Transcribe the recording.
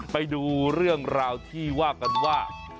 ไปดูเรื่องราวที่ว่ากันว่า